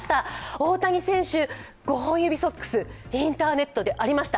大谷選手、５本指ソックス、インターネットでありました。